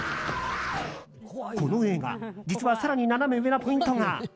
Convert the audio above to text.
この映画、実は更にナナメ上なポイントが。